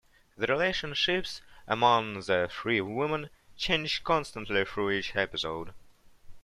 The relationships among the three women change constantly through each episode.